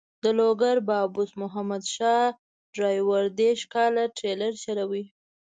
د لوګر بابوس محمد شاه ډریور دېرش کاله ټریلر چلوي.